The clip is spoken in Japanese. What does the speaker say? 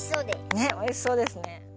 ねっおいしそうですね。